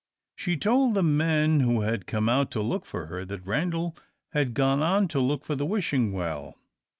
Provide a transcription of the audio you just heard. She told the men who had come out to look for her, that Randal had gone on to look for the Wishing Well.